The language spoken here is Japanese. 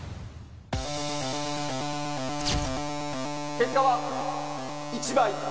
結果は１倍